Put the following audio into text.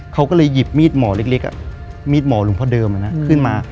เขาก็เลยหยิบมีดหมอเล็กมีดหมอหลวงพ่อเดิมขึ้นมา